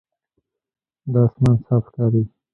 دا آسمان صاف ښکاري.